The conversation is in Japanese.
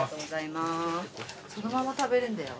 そのまま食べれんだよ。